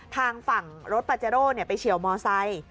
ทางฝั่งรถปาเจโร่ไปเฉียวมอไซค์